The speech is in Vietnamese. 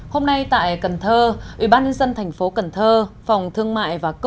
hôm nay tại cần thơ ủy ban nhân dân thành phố cần thơ phòng thương mại và công nghiệp